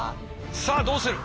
さあどうする。